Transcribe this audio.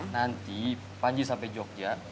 nanti panji sampai jogja